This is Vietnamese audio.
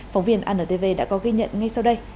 phóng viên antv đã có ghi nhận ngay sau đây